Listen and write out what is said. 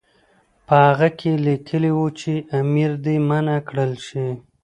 په هغه کې لیکلي وو چې امیر دې منع کړل شي.